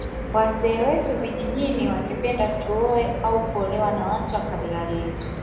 Wazee wetu vijijini wangependa tuoe au kuolewa na watu wa kabila letu